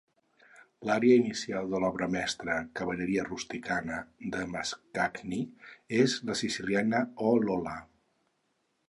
L'ària inicial de l'obra mestra "Cavalleria rusticana" de Mascagni és la siciliana "O Lola".